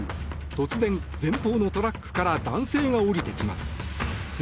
突然、前方のトラックから男性が降りてきます。